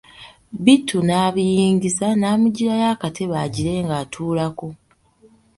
Bittu n'abiyingiza n'amujjirayo akatebe agire ng'atulako.